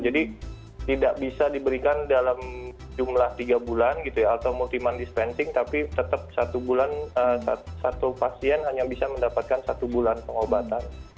jadi tidak bisa diberikan dalam jumlah tiga bulan gitu ya atau multiman dispensing tapi tetap satu bulan satu pasien hanya bisa mendapatkan satu bulan pengobatan